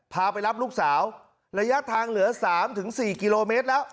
พาไปรับลูกสาวระยะทางเหลือ๓๔กิโลเมตรแล้ว